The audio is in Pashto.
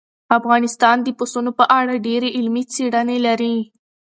افغانستان د پسونو په اړه ډېرې علمي څېړنې لري.